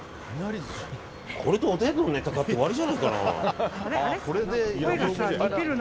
これとおでんのネタ買って終わりじゃないかな？